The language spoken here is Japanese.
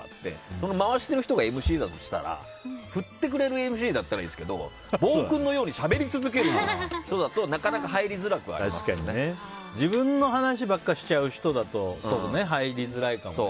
この回している人がＭＣだとしたら振ってくれるＭＣだったらいいんですけど暴君のようにしゃべり続ける人だと自分の話ばっかしちゃう人だと入りづらいかもね。